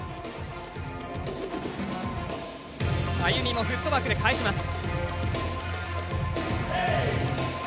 ＡＹＵＭＩもフットワークで返します。